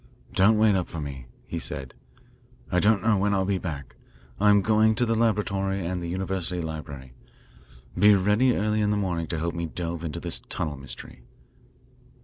Don't wait up for me," he said. "I don't know when I'll be back. I'm going to the laboratory and the university library. Be ready early in the morning to help me delve into this tunnel mystery."